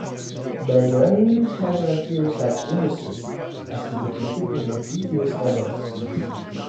Bayonne has few such industries, as indicated in the previous tables.